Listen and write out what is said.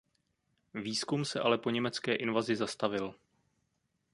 Výzkum se ale po německé invazi zastavil.